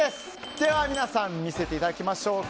では、皆さん見せていただきましょうか。